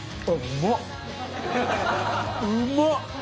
うまっ！